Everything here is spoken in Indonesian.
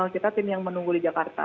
kita tim yang menunggu di jakarta